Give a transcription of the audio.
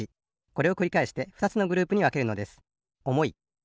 これをくりかえしてふたつのグループにわけるのです。